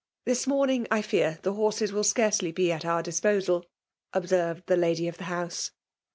This morning* I fiear, the hoisto w3l i^loaeely.be at our disposal," observed the lady of the honwe.